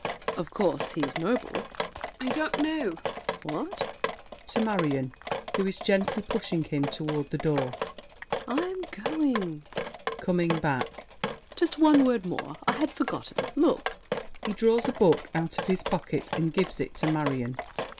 Of course He's noble. MARION. I don't know. SAVERNY. What? [To Marion, who is gently pushing him toward the door. I am going! [Coming back. Just one word more! I had forgotten. Look! [He draws a book out of his pocket and gives it to Marion.